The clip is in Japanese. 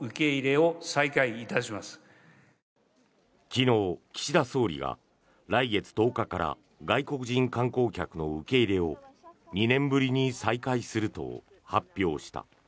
昨日、岸田総理が来月１０日から外国人観光客の受け入れを２年ぶりに再開すると発表した。